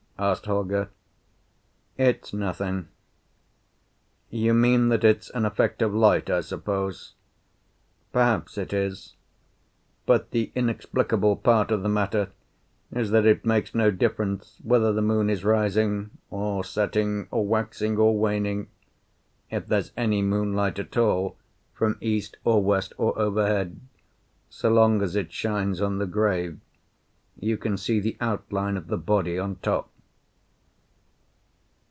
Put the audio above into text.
asked Holger. "It's nothing." "You mean that it's an effect of light, I suppose?" "Perhaps it is. But the inexplicable part of the matter is that it makes no difference whether the moon is rising or setting, or waxing or waning. If there's any moonlight at all, from east or west or overhead, so long as it shines on the grave you can see the outline of the body on top."